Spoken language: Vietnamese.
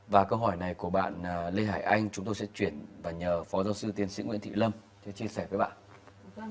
và câu hỏi này của bạn lê hải anh chúng tôi sẽ chuyển và nhờ phó giáo sư tiến sĩ nguyễn thị lâm chia sẻ với bạn